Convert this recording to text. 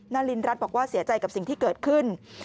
นารินรัฐบอกว่าเสียใจกับสิ่งที่เกิดขึ้น